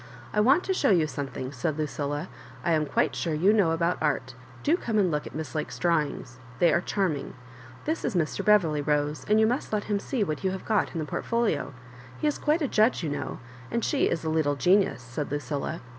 " I want to show you something,^ said Lucilla. I am quite sure you know about art Do come and look at Miss Lake's drawings ; they are charming. This is Mr. Beverley, Rose, and you must let him see what you have got in the port folia He is quite a judge, you know ; and she is a little genius," said Lucilla.